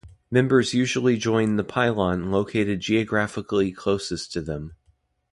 Members usually join the Pylon located geographically closest to them.